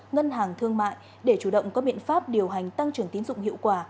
ngân hàng thương mại để chủ động có biện pháp điều hành tăng trưởng tín dụng hiệu quả